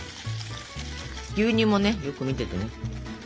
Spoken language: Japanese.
牛乳もねよく見ててね。